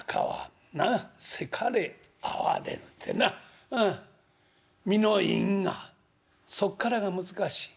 『堰かれ逢われぬ』ってな『身の因果』そっからが難しい。